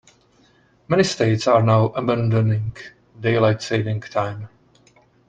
Many states are now abandoning Daylight Saving Time.